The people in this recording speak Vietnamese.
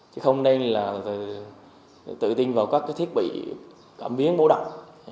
chứ không nên là tự tin vào các thiết bị cảm biến bổ đọc